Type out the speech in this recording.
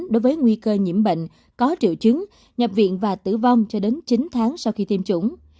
đối với nguy cơ nhiễm bệnh có triệu chứng nhập viện và tử vong cho đến chín tháng sau khi tiêm chủng